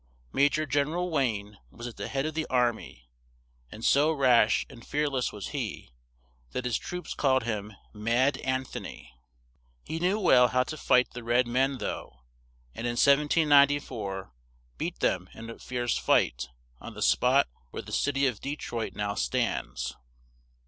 Ma jor Gen er al Wayne was at the head of the ar my, and so rash and fear less was he, that his troops called him "Mad An tho ny." He knew well how to fight the red men though, and in 1794 beat them in a fierce fight, on the spot where the cit y of De troit now stands.